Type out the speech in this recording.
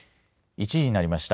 １時になりました。